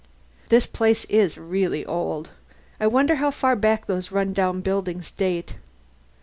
"This place is really old. I wonder how far back those run down buildings date."